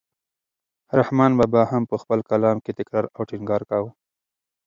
رحمان بابا هم په خپل کلام کې تکرار او ټینګار کاوه.